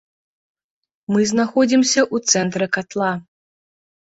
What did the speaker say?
Мы знаходзімся ў цэнтры катла.